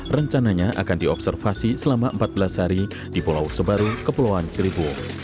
rencananya akan diobservasi selama empat belas hari di pulau sebaru kepulauan seribu